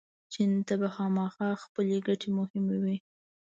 چین ته به خامخا خپلې ګټې مهمې وي.